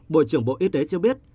bộ trưởng bộ y tế cho biết